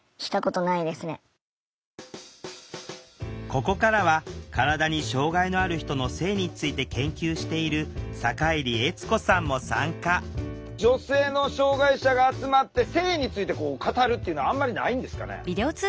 ここからは体に障害のある人の性について研究している坂入悦子さんも参加女性の障害者が集まって性について語るっていうのはあんまりないんですかね？